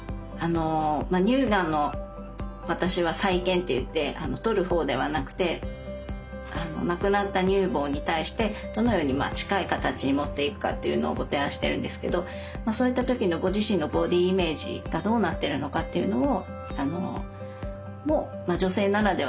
乳がんの私は再建っていって取る方ではなくてなくなった乳房に対してどのように近い形に持っていくかっていうのをご提案してるんですけどそういった時のご自身のボディーイメージがどうなってるのかっていうのもまあ女性ならでは。